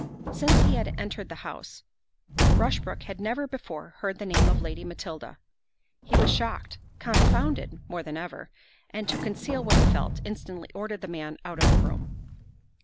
Since he had entered the house, Rushbrook had never before heard the name of Lady Matilda, he was shocked—confounded more than ever—and to conceal what he felt, instantly ordered the man out of the room.